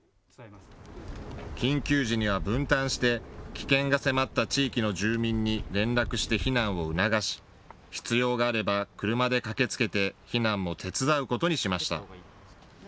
緊急時には分担して危険が迫った地域の住民に連絡して避難を促し必要があれば車で駆けつけて避難も手伝うことにしました。